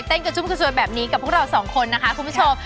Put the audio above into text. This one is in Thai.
กระจุ้มกระซวยแบบนี้กับพวกเราสองคนนะคะคุณผู้ชม